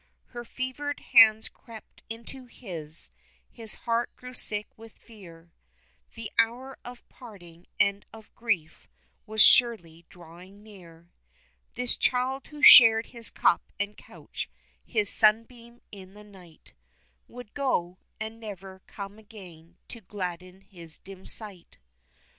Her fevered hands crept into his; his heart grew sick with fear, The hour of parting and of grief was surely drawing near, This child who shared his cup and couch his "Sunbeam in the night" Would go, and never come again to gladden his dim sight.